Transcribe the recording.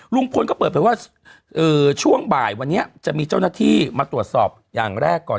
ลุงพลก็เปิดเผยว่าช่วงบ่ายวันนี้จะมีเจ้าหน้าที่มาตรวจสอบอย่างแรกก่อน